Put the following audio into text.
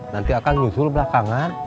nanti akan nyusul belakangan